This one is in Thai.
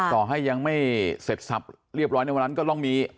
ต่อให้ยังไม่เสร็จสับเรียบร้อยในวันนั้นก็ต้องมี